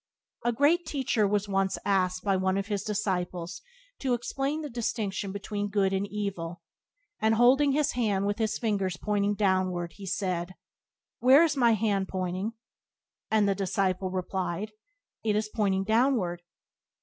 A great Teacher was once asked by one of His disciples to explain the distinction between good and evil, and holding His hand with the fingers pointing downward, He said: "Where is my hand pointing?" And the disciple replied: "It is pointing downward."